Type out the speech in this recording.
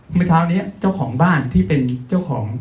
เมื่อเช้านี้เจ้าของบ้านที่เป็นเจ้าของ